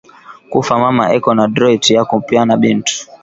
kufa mama eko na droit yaku pyana bintu